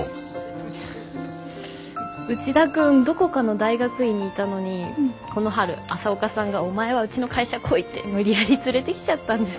内田君どこかの大学院にいたのにこの春朝岡さんがお前はうちの会社来いって無理やり連れてきちゃったんです。